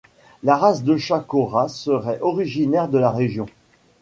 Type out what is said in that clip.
La race de chat korat serait originaire de la région.